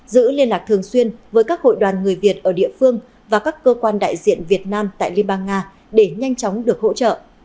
giữ liên lạc thường xuyên với các hội đoàn người việt ở địa phương và các cơ quan đại diện việt nam tại liên bang nga để nhanh chóng được hỗ trợ